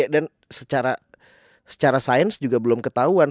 dan secara science juga belum ketahuan